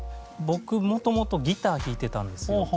僕元々ギター弾いてたんですよ。